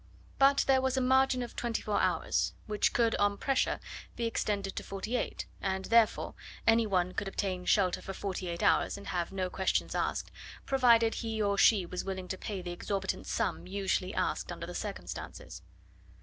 But there was a margin of twenty four hours, which could on pressure be extended to forty eight, and, therefore, any one could obtain shelter for forty eight hours, and have no questions asked, provided he or she was willing to pay the exorbitant sum usually asked under the circumstances.